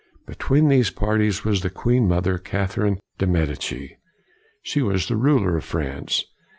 Between these parties was the Queen mother, Catherine de' Medici. She was the ruler of France.